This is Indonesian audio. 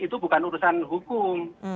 itu bukan urusan hukum